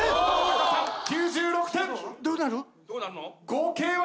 合計は。